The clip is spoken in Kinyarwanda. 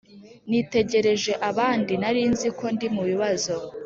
nitegereje abandi, nari nzi ko ndi mubibazo.